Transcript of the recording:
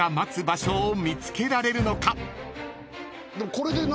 これで何？